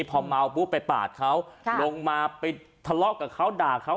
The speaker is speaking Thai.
พอเมาปุ๊บไปปาดเขาลงมาไปทะเลาะกับเขาด่าเขา